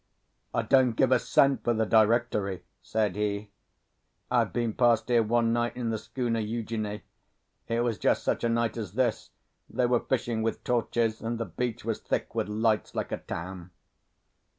"I don't give a cent for the directory," said he, "I've been past here one night in the schooner Eugenie; it was just such a night as this; they were fishing with torches, and the beach was thick with lights like a town."